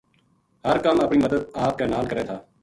ہر کم اپنی مدد آپ کے نال کرے تھا